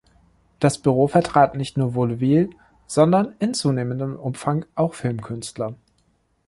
Das Büro vertrat nicht nur Vaudeville-, sondern in zunehmendem Umfang auch Filmkünstler.